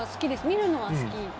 見るのは好き。